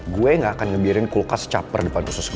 gue gak akan ngebiarin kulkas caper depan usus goreng